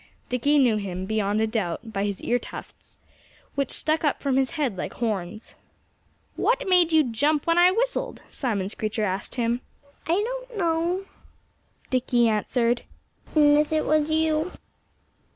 Dickie knew him, beyond a doubt, by his ear tufts, which stuck up from his head like horns. "What made you jump when I whistled?" Simon Screecher asked him. "I don't know," Dickie answered, "unless it was you."